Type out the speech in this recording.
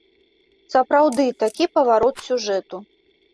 Сапраўды, такі паварот сюжэту.